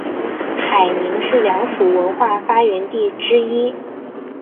海宁是良渚文化发源地之一。